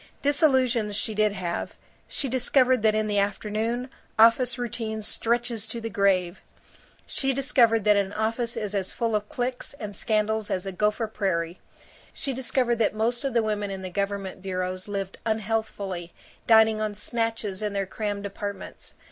Disillusions she did have. She discovered that in the afternoon, office routine stretches to the grave. She discovered that an office is as full of cliques and scandals as a Gopher Prairie. She discovered that most of the women in the government bureaus lived unhealthfully, dining on snatches in their crammed apartments.